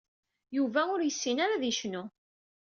Yuba ur yessin ara ad yecnu.